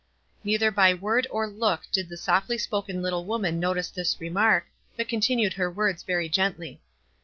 Neither by word or look did the softly spoken little woman notice this remark, but continued her words very gently.